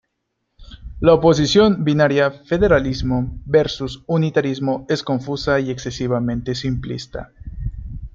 La oposición binaria "federalismo" versus "unitarismo" es confusa y excesivamente simplista.